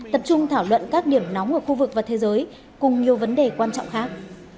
tập trung thảo luận các điểm nóng ở khu vực và thế giới cùng nhiều vấn đề quan trọng khác